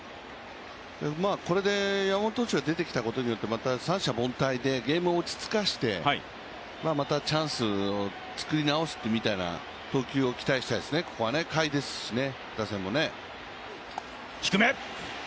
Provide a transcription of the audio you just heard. これで山本投手が出てきたことによって三者凡退でゲームを落ち着かせて、またチャンスを作り直すみたいな投球を期待したいですね、打線も下位ですしね。